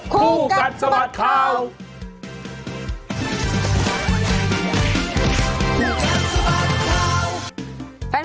คู่กัดสะบัดข่าว